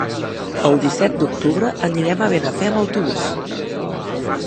El disset d'octubre anirem a Benafer amb autobús.